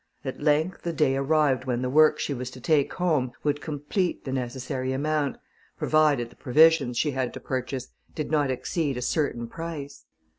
At length the day arrived when the work she was to take home would complete the necessary amount, provided the provisions she had to purchase did not exceed a certain price.